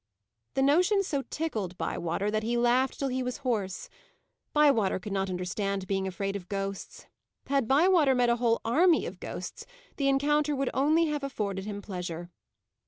The notion so tickled Bywater, that he laughed till he was hoarse. Bywater could not understand being afraid of "ghosts." Had Bywater met a whole army of ghosts, the encounter would only have afforded him pleasure.